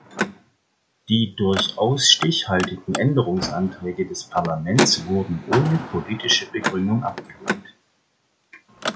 Die durchaus stichhaltigen Änderungsanträge des Parlaments wurden ohne politische Begründung abgelehnt.